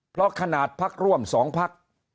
เพราะขนาดภักดิ์ร่วมสองภักดิ์